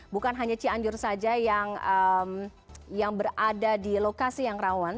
bukan hanya cianjur saja yang berada di lokasi yang rawan